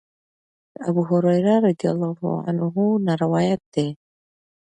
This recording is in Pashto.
د ابوهريره رضی الله عنه نه روايت دی